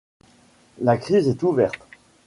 La crise est ouverte.